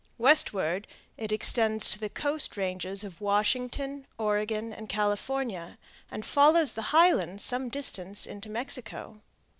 Westward it extends to the coast ranges of Washington, Oregon, and California, and follows the highlands some distance into Mexico."